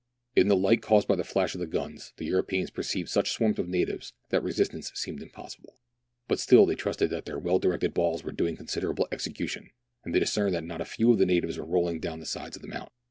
In the light caused by the flash of the guns, the Europeans perceived such swarms of natives that resistance seemed impossible. But still they trusted that their well directed balls were doing considerable execution, and they discerned that not a few of the natives were rolling down the sides of the mountam.